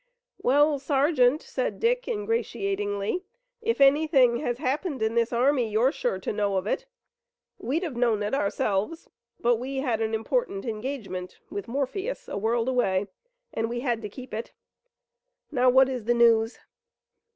"Well, sergeant," said Dick ingratiatingly, "if any thing has happened in this army you're sure to know of it. We'd have known it ourselves, but we had an important engagement with Morpheus, a world away, and we had to keep it. Now what is the news?"